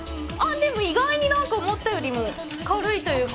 でも、意外になんか思ったよりも軽いというか。